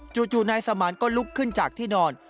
จู่นายสมานก็ลุกขึ้นจากที่นอน